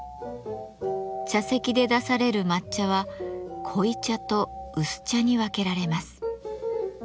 茶席で出される抹茶は濃茶と薄茶に分けられます。